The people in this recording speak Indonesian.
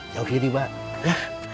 jauh kiri mbak